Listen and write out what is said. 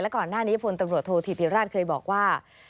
ก่อนหน้านี้พลตำรวจโทษธิติราชเคยบอกว่า